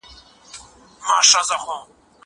زه پرون د زده کړو تمرين وکړ؟!